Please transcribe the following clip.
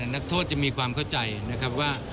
นักโทษจะมีความเข้าใจนะครับว่า